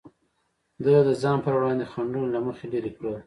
ده د ځان پر وړاندې خنډونه له مخې لرې کړل.